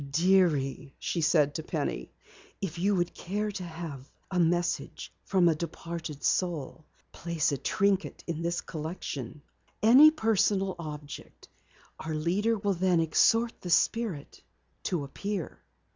"Dearie," she said to Penny, "if you would care to have a message from a departed soul, place a trinket in this collection. Any personal object. Our leader will then exhort the spirit to appear."